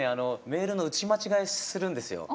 メールの打ち間違いするんですよ。